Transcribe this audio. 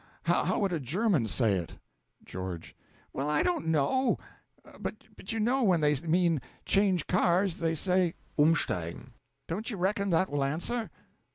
how would a German say it? GEO. Well, I don't know. But you know when they mean 'Change cars,' they say Umsteigen. Don't you reckon that will answer?